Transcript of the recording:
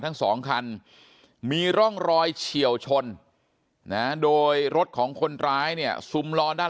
ทั้งสองคันมีร่องรอยเฉียวชนนะโดยรถของคนร้ายเนี่ยซุมล้อด้าน